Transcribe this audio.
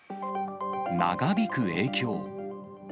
長引く影響。